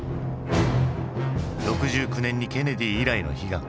６９年にケネディ以来の悲願